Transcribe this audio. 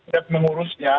tapi kami tidak mengurusnya